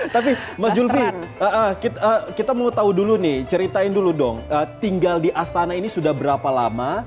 tapi mas zulfi kita mau tau dulu nih ceritain dulu dong tinggal di astana ini sudah berapa lama